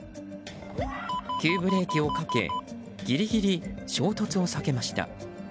急ブレーキをかけギリギリ、衝突を避けました。